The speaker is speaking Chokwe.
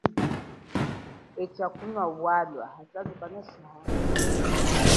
Etsha kunwa walwa usasu unashaha mujimba.